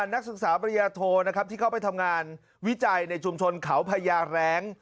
นักศึกษาปริญญาโทนะครับที่เข้าไปทำงานวิจัยในชุมชนเขาพญาแร้ง